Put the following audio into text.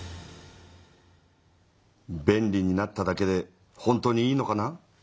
便利になっただけで本当にいいのかな？